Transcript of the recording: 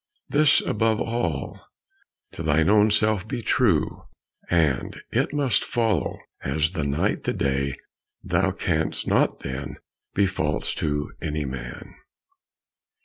This above all: to thine own self be true, And it must follow, as the night the day, Thou canst not then be false to any man.